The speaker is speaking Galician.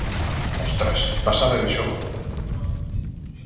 Hostras! Que pasada de xogo!